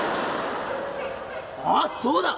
「あっそうだ！